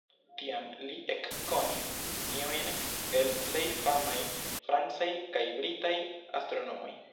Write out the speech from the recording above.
Tiam li ekkonis iujn el plej famaj francaj kaj britaj astronomoj.